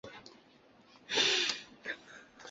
白铅铝矿是一种罕见的碳酸铝矿物。